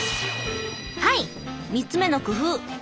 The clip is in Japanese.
はい３つ目の工夫！